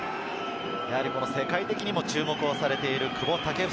世界的にも注目されている久保建英。